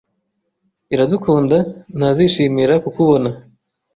Iradukunda ntazishimira kukubona.